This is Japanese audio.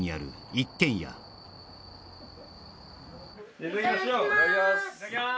いただきます